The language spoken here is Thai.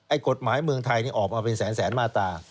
กฎหมายเมืองไทยออกมาเป็นแสนมาตรา